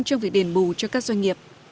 trong việc điền môi trường